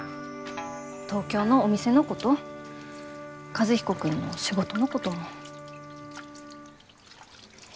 東京のお店のこと和彦君の仕事のことも。